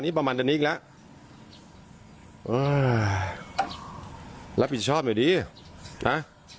นี่ประมาณเดือนนี้อีกแล้วอ่ารับผิดชอบหน่อยดีนะ